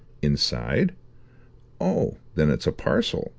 "Inside? Oh, then it's a parcel?"